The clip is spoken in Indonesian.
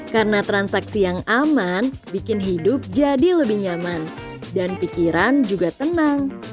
karena transaksi yang aman bikin hidup jadi lebih nyaman dan pikiran juga tenang